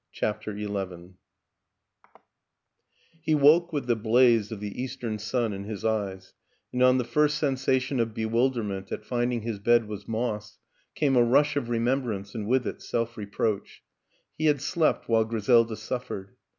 CHAPTER XI HE woke with the blaze of the eastern sun in his eyes, and on the first sensation of bewilderment at finding his bed was moss, came a rush of remembrance and with it self reproach he had slept while Griselda suf fered.